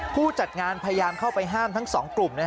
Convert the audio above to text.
ผู้จัดงานพยายามเข้าไปห้ามทั้งสองกลุ่ม